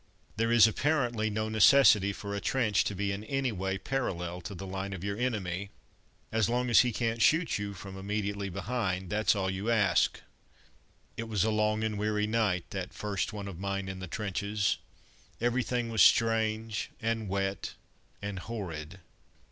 There is, apparently, no necessity for a trench to be in any way parallel to the line of your enemy; as long as he can't shoot you from immediately behind, that's all you ask. It was a long and weary night, that first one of mine in the trenches. Everything was strange, and wet and horrid.